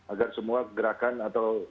agar semua gerakan atau